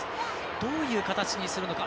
どういう形にするのか。